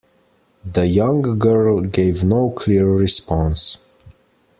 The young girl gave no clear response.